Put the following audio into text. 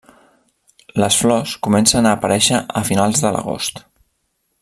Les flors comencen a aparèixer a finals de l'agost.